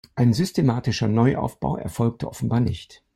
Ein systematischer Neuaufbau erfolgte offenbar nicht.